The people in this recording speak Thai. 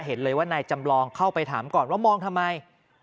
เห็นเลยว่านายจำลองเข้าไปถามก่อนว่ามองทำไม